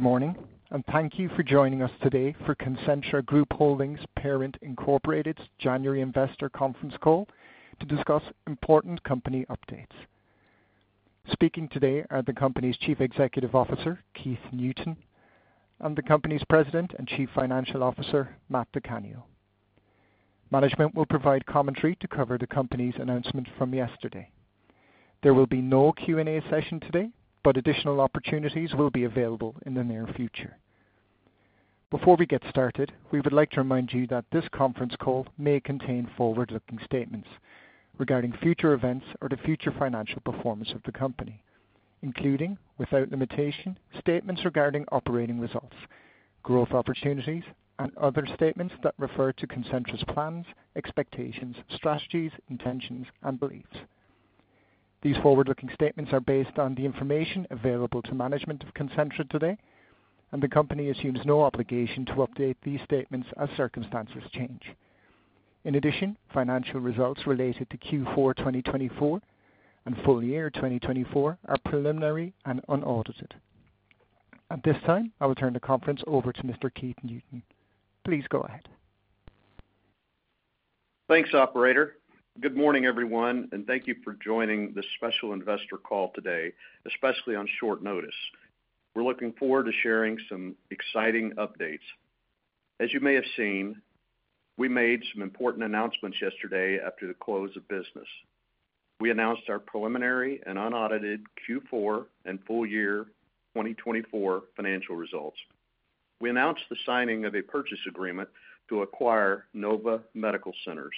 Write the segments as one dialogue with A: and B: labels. A: Good morning. And thank you for joining us today for Concentra Group Holdings Parent Incorporated's January Investor Conference Call to discuss important company updates. Speaking today are the company's Chief Executive Officer, Keith Newton, and the company's President and Chief Financial Officer, Matt DiCanio. Management will provide commentary to cover the company's announcement from yesterday. There will be no Q&A session today, but additional opportunities will be available in the near future. Before we get started, we would like to remind you that this conference call may contain forward-looking statements regarding future events or the future financial performance of the company, including, without limitation, statements regarding operating results, growth opportunities, and other statements that refer to Concentra's plans, expectations, strategies, intentions, and beliefs. These forward-looking statements are based on the information available to management of Concentra today, and the company assumes no obligation to update these statements as circumstances change. In addition, financial results related to Q4 2024 and full year 2024 are preliminary and unaudited. At this time, I will turn the conference over to Mr. Keith Newton. Please go ahead.
B: Thanks, Operator. Good morning, everyone, and thank you for joining the special investor call today, especially on short notice. We're looking forward to sharing some exciting updates. As you may have seen, we made some important announcements yesterday after the close of business. We announced our preliminary and unaudited Q4 and full year 2024 financial results. We announced the signing of a purchase agreement to acquire Nova Medical Centers,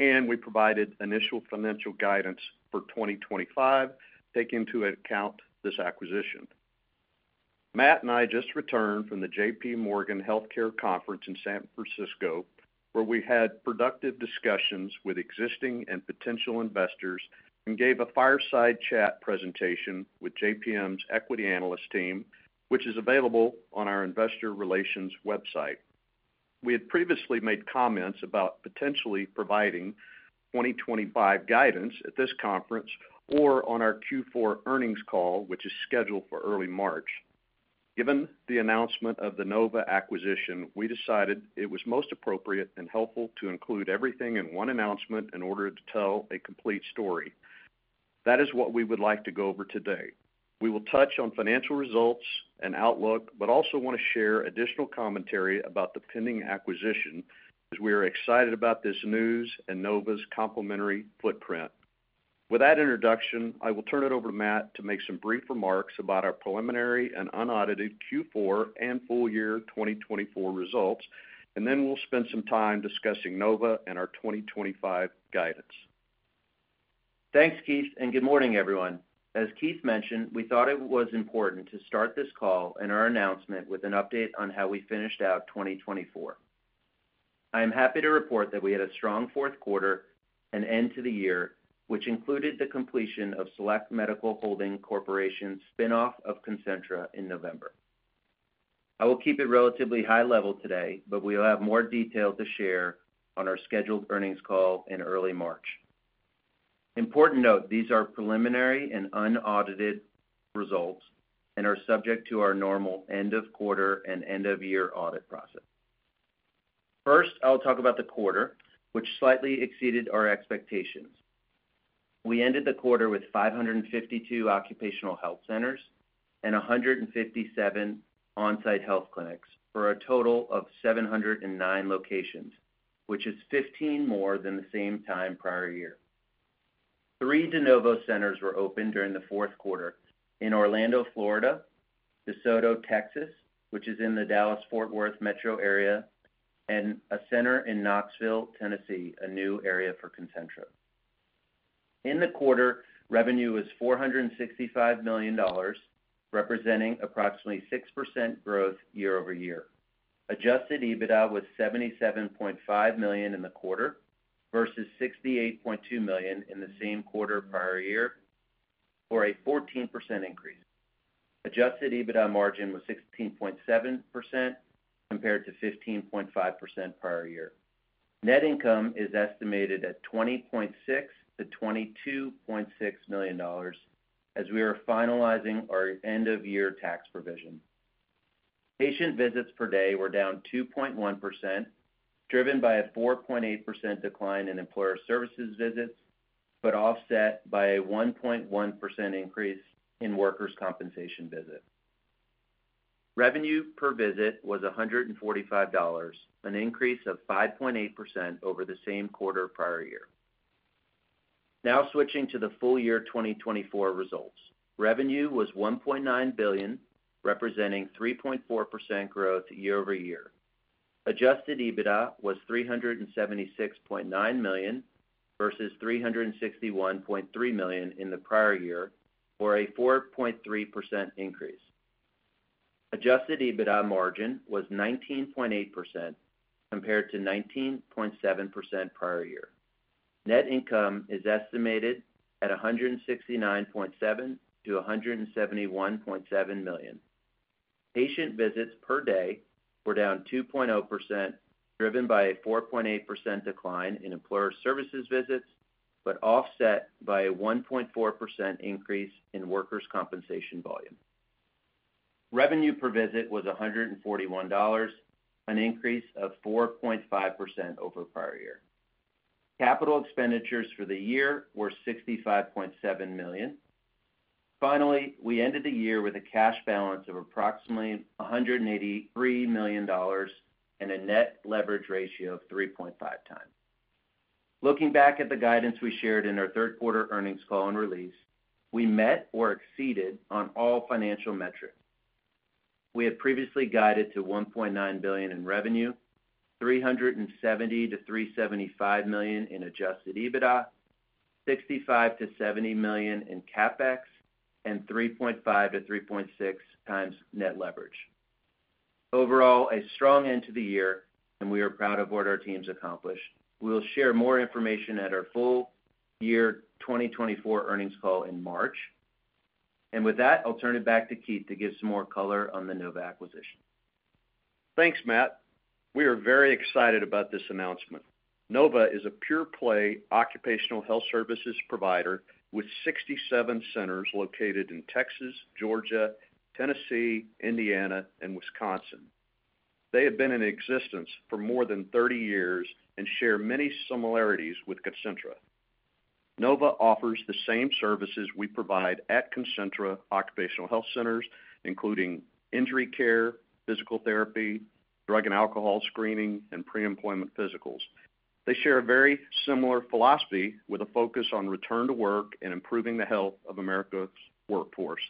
B: and we provided initial financial guidance for 2025 taking into account this acquisition. Matt and I just returned from the J.P. Morgan Healthcare Conference in San Francisco, where we had productive discussions with existing and potential investors and gave a fireside chat presentation with JPM's equity analyst team, which is available on our investor relations website. We had previously made comments about potentially providing 2025 guidance at this conference or on our Q4 earnings call, which is scheduled for early March. Given the announcement of the Nova acquisition, we decided it was most appropriate and helpful to include everything in one announcement in order to tell a complete story. That is what we would like to go over today. We will touch on financial results and outlook, but also want to share additional commentary about the pending acquisition, as we are excited about this news and Nova's complementary footprint. With that introduction, I will turn it over to Matt to make some brief remarks about our preliminary and unaudited Q4 and full year 2024 results, and then we'll spend some time discussing Nova and our 2025 guidance.
C: Thanks, Keith, and good morning, everyone. As Keith mentioned, we thought it was important to start this call and our announcement with an update on how we finished out 2024. I am happy to report that we had a strong fourth quarter and end to the year, which included the completion of Select Medical Holdings Corporation's spinoff of Concentra in November. I will keep it relatively high level today, but we will have more detail to share on our scheduled earnings call in early March. Important note, these are preliminary and unaudited results and are subject to our normal end of quarter and end of year audit process. First, I'll talk about the quarter, which slightly exceeded our expectations. We ended the quarter with 552 occupational health centers and 157 onsite health clinics for a total of 709 locations, which is 15 more than the same time prior year. Three De Novo centers were open during the fourth quarter in Orlando, Florida, DeSoto, Texas, which is in the Dallas-Fort Worth metro area, and a center in Knoxville, Tennessee, a new area for Concentra. In the quarter, revenue was $465 million, representing approximately 6% growth year-over-year. Adjusted EBITDA was $77.5 million in the quarter versus $68.2 million in the same quarter prior year, for a 14% increase. Adjusted EBITDA margin was 16.7% compared to 15.5% prior year. Net income is estimated at $20.6 million-$22.6 million as we are finalizing our end of year tax provision. Patient visits per day were down 2.1%, driven by a 4.8% decline in employer services visits, but offset by a 1.1% increase in workers' compensation visits. Revenue per visit was $145, an increase of 5.8% over the same quarter prior year. Now switching to the full year 2024 results. Revenue was $1.9 billion, representing 3.4% growth year-over-year. Adjusted EBITDA was $376.9 million versus $361.3 million in the prior year, for a 4.3% increase. Adjusted EBITDA margin was 19.8% compared to 19.7% prior year. Net income is estimated at $169.7 million-$171.7 million. Patient visits per day were down 2.0%, driven by a 4.8% decline in employer services visits, but offset by a 1.4% increase in workers' compensation volume. Revenue per visit was $141, an increase of 4.5% over prior year. Capital expenditures for the year were $65.7 million. Finally, we ended the year with a cash balance of approximately $183 million and a net leverage ratio of 3.5 times. Looking back at the guidance we shared in our third quarter earnings call and release, we met or exceeded on all financial metrics. We had previously guided to $1.9 billion in revenue, $370 million-$375 million in Adjusted EBITDA, $65 million-$70 million in CapEx, and 3.5-3.6 times net leverage. Overall, a strong end to the year, and we are proud of what our team's accomplished. We will share more information at our full year 2024 earnings call in March, and with that, I'll turn it back to Keith to give some more color on the Nova acquisition.
B: Thanks, Matt. We are very excited about this announcement. Nova is a pure-play occupational health services provider with 67 centers located in Texas, Georgia, Tennessee, Indiana, and Wisconsin. They have been in existence for more than 30 years and share many similarities with Concentra. Nova offers the same services we provide at Concentra Occupational Health Centers, including injury care, physical therapy, drug and alcohol screening, and pre-employment physicals. They share a very similar philosophy with a focus on return to work and improving the health of America's workforce.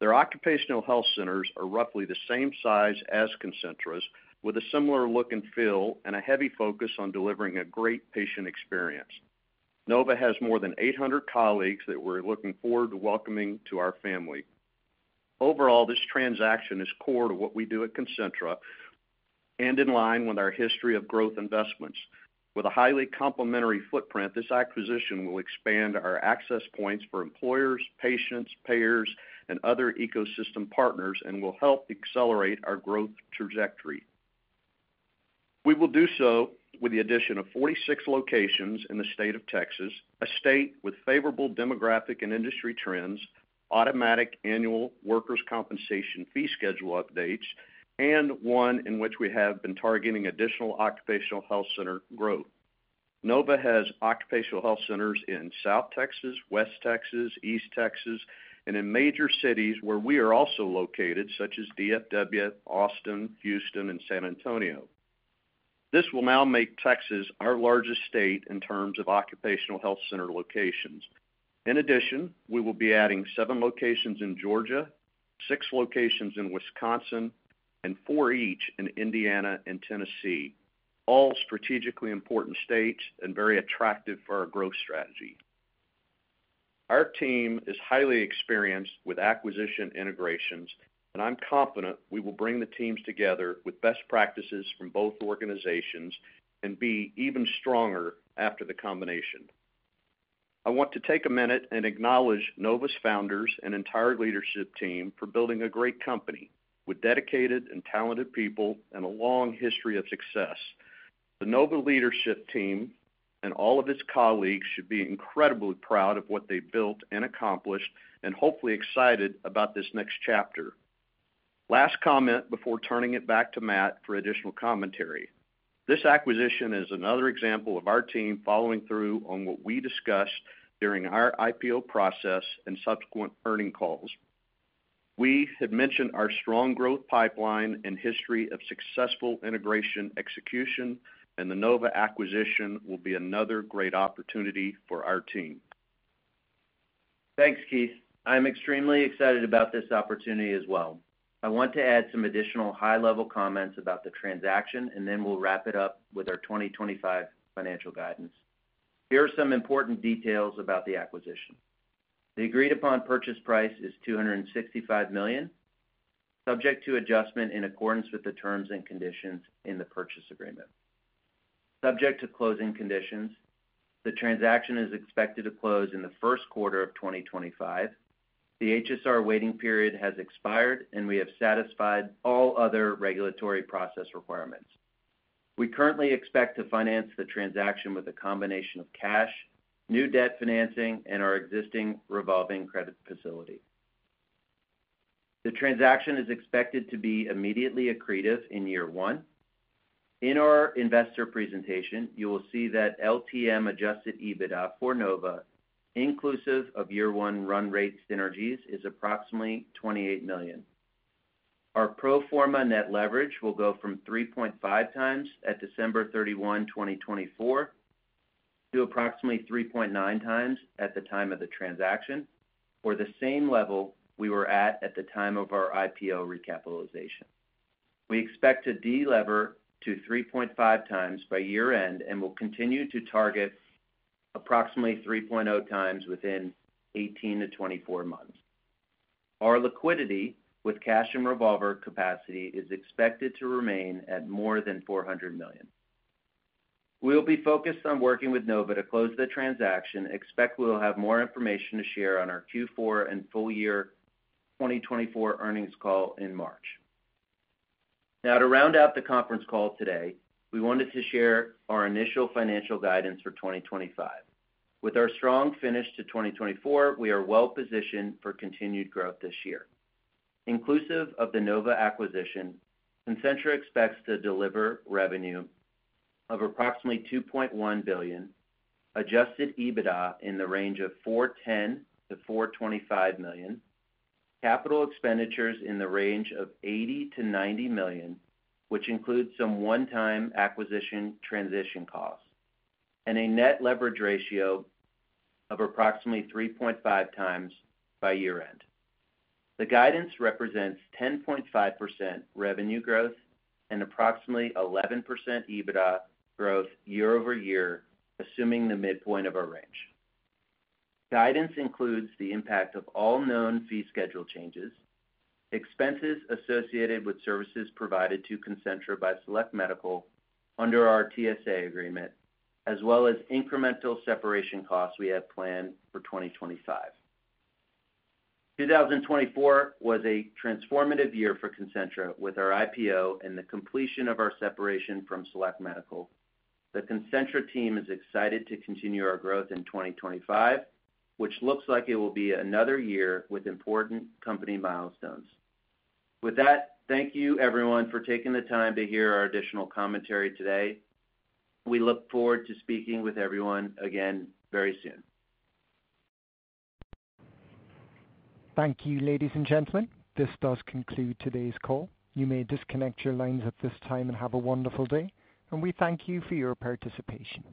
B: Their occupational health centers are roughly the same size as Concentra's, with a similar look and feel and a heavy focus on delivering a great patient experience. Nova has more than 800 colleagues that we're looking forward to welcoming to our family. Overall, this transaction is core to what we do at Concentra and in line with our history of growth investments. With a highly complementary footprint, this acquisition will expand our access points for employers, patients, payers, and other ecosystem partners, and will help accelerate our growth trajectory. We will do so with the addition of 46 locations in the state of Texas, a state with favorable demographic and industry trends, automatic annual workers' compensation fee schedule updates, and one in which we have been targeting additional occupational health center growth. Nova has occupational health centers in South Texas, West Texas, East Texas, and in major cities where we are also located, such as DFW, Austin, Houston, and San Antonio. This will now make Texas our largest state in terms of occupational health center locations. In addition, we will be adding seven locations in Georgia, six locations in Wisconsin, and four each in Indiana and Tennessee, all strategically important states and very attractive for our growth strategy. Our team is highly experienced with acquisition integrations, and I'm confident we will bring the teams together with best practices from both organizations and be even stronger after the combination. I want to take a minute and acknowledge Nova's founders and entire leadership team for building a great company with dedicated and talented people and a long history of success. The Nova leadership team and all of its colleagues should be incredibly proud of what they built and accomplished and hopefully excited about this next chapter. Last comment before turning it back to Matt for additional commentary. This acquisition is another example of our team following through on what we discussed during our IPO process and subsequent earnings calls. We had mentioned our strong growth pipeline and history of successful integration execution, and the Nova acquisition will be another great opportunity for our team.
C: Thanks, Keith. I'm extremely excited about this opportunity as well. I want to add some additional high-level comments about the transaction, and then we'll wrap it up with our 2025 financial guidance. Here are some important details about the acquisition. The agreed-upon purchase price is $265 million, subject to adjustment in accordance with the terms and conditions in the purchase agreement. Subject to closing conditions, the transaction is expected to close in the first quarter of 2025. The HSR waiting period has expired, and we have satisfied all other regulatory process requirements. We currently expect to finance the transaction with a combination of cash, new debt financing, and our existing revolving credit facility. The transaction is expected to be immediately accretive in year one. In our investor presentation, you will see that LTM Adjusted EBITDA for Nova, inclusive of year one run rate synergies, is approximately $28 million. Our pro forma net leverage will go from 3.5 times at December 31, 2024, to approximately 3.9 times at the time of the transaction, or the same level we were at the time of our IPO recapitalization. We expect to delever to 3.5 times by year-end and will continue to target approximately 3.0 times within 18-24 months. Our liquidity with cash and revolver capacity is expected to remain at more than $400 million. We will be focused on working with Nova to close the transaction. Expect we will have more information to share on our Q4 and full year 2024 earnings call in March. Now, to round out the conference call today, we wanted to share our initial financial guidance for 2025. With our strong finish to 2024, we are well-positioned for continued growth this year. Inclusive of the Nova acquisition, Concentra expects to deliver revenue of approximately $2.1 billion, Adjusted EBITDA in the range of $410 million-$425 million, capital expenditures in the range of $80-$90 million, which includes some one-time acquisition transition costs, and a net leverage ratio of approximately 3.5 times by year-end. The guidance represents 10.5% revenue growth and approximately 11% EBITDA growth year-over-year, assuming the midpoint of our range. Guidance includes the impact of all known fee schedule changes, expenses associated with services provided to Concentra by Select Medical under our TSA agreement, as well as incremental separation costs we have planned for 2025. 2024 was a transformative year for Concentra with our IPO and the completion of our separation from Select Medical. The Concentra team is excited to continue our growth in 2025, which looks like it will be another year with important company milestones. With that, thank you, everyone, for taking the time to hear our additional commentary today. We look forward to speaking with everyone again very soon.
A: Thank you, ladies and gentlemen. This does conclude today's call. You may disconnect your lines at this time and have a wonderful day. And we thank you for your participation.